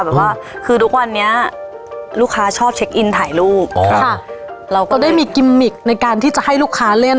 แบบว่าคือทุกวันนี้ลูกค้าชอบเช็คอินถ่ายรูปอ๋อค่ะเราก็ได้มีกิมมิกในการที่จะให้ลูกค้าเล่น